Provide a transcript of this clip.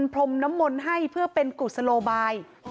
พรมน้ำมนต์ให้เพื่อเป็นกุศโลบาย